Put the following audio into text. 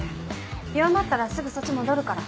弱まったらすぐそっち戻るから。